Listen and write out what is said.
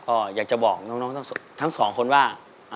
ก็อยากจะบอกน้องทั้งสองคนว่า